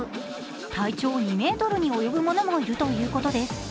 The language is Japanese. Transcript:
体長２ｍに及ぶものもいるということです。